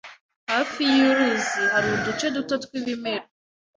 Hafi yuruzi hari uduce duto twibimera.